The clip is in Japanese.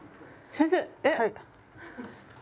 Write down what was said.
先生。